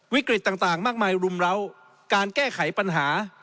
ต่างมากมายรุมเล้าการแก้ไขปัญหา